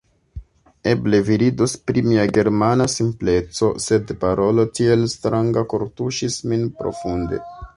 Eble vi ridos pri mia Germana simpleco; sed parolo tiel stranga kortuŝis min profunde.